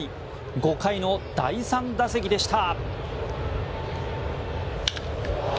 ５回の第３打席でした。